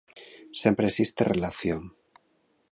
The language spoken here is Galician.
Sempre existe relación.